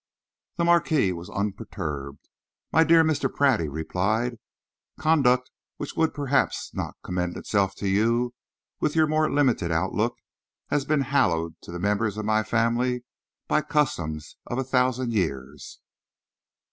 The Marquis was unperturbed. "My dear Mr. Pratt," he replied, "conduct which would perhaps not commend itself to you, with your more limited outlook, has been hallowed to the members of my family by the customs of a thousand years.